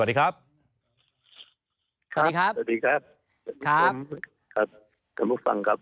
สวัสดีครับสวัสดีครับสวัสดีครับสวัสดีครับสวัสดีครับ